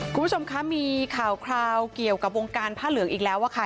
คุณผู้ชมคะมีข่าวคราวเกี่ยวกับวงการผ้าเหลืองอีกแล้วอะค่ะ